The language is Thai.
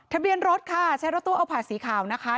ทะเบียนรถค่ะแชร์รถต้วอภัดสีขาวนะคะ